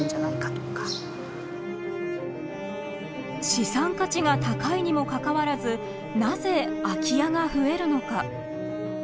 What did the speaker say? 資産価値が高いにもかかわらずなぜ空き家が増えるのか。